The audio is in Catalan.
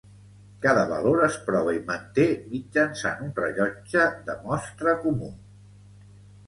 Cada valor es prova i manté mitjançant un rellotge de mostra comú.